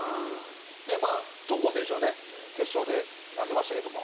で、戸郷選手は決勝で投げましたけども。